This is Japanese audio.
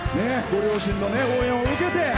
ご両親の応援を受けて。